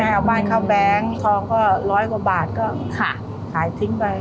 เอาบ้านเข้าแบงค์ทองก็ร้อยกว่าบาทก็ขายทิ้งไป